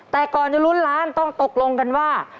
แต่ก่อนจะลุ้นล้านต้องตกลงกันว่า